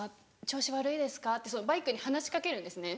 調子悪いですか？」ってバイクに話し掛けるんですね。